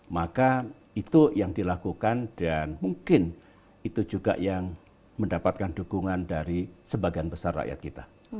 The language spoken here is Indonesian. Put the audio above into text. maka itu yang dilakukan dan mungkin itu juga yang mendapatkan dukungan dari sebagian besar rakyat kita